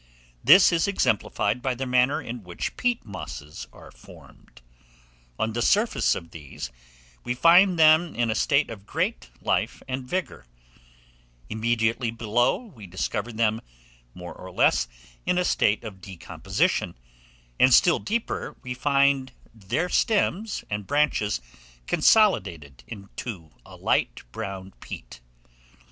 This is exemplified by the manner in which peat mosses are formed: on the surface of these we find them in a state of great life and vigour; immediately below we discover them, more or less, in a state of decomposition; and, still deeper, we find their stems and branches consolidated into a light brown peat.